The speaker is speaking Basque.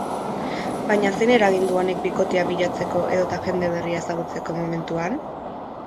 Baina zein eragin du honek bikotea bilatzeko edota jende berria ezagutzeko momentuan?